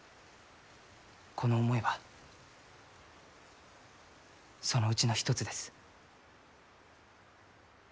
この思いはそのうちの一つです。